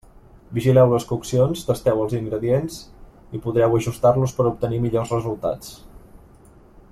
Vigileu les coccions, tasteu els ingredients i podreu ajustar-los per a obtenir millors resultats.